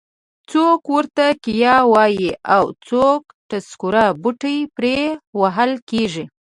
څوک ورته کیه وایي او څوک ټسکوره. بوټي پرې وهل کېږي.